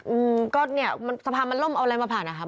อืมก็เนี่ยมันสะพานมันล่มเอาอะไรมาผ่านนะครับ